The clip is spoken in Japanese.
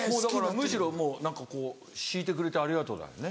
むしろもう何かこう敷いてくれてありがとうだよね。